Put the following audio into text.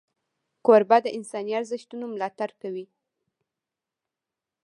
کوربه د انساني ارزښتونو ملاتړ کوي.